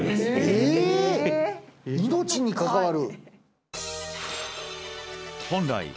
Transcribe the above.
命に関わる？